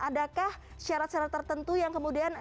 adakah syarat syarat tertentu yang kemudian